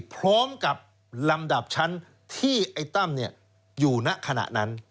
พร้อมกับลำดับชั้นที่ไอ้ตั้มอยู่ณขณะนั้น